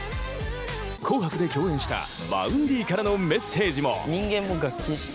紅白で共演したＶａｕｎｄｙからのメッセージも。